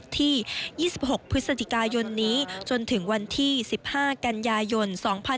ที่๒๖พฤศจิกายนนี้จนถึงวันที่๑๕กันยายน๒๕๖๒